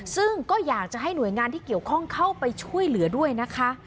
ซึ่งก็อยากจะให้หน่วยงานที่เกี่ยวข้องเข้าไปช่วยเหลือด้วยนะคะ